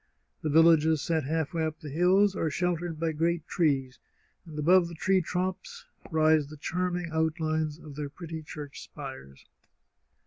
The villages set half way up the hills are sheltered by great trees, and above the tree tops rise the charming outlines of their pretty church spires.